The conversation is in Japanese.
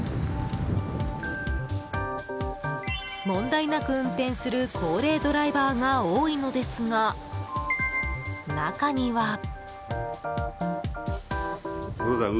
問題なく運転する高齢ドライバーが多いのですが中には。